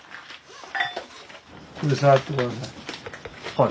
はい。